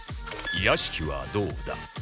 屋敷はどうだ？